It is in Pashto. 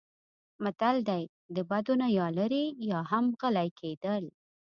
متل دی: د بدو نه یا لرې یا هم غلی کېدل.